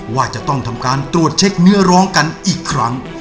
ว่าจะต้องทำการตรวจเช็คเนื้อร้องกันอีกครั้ง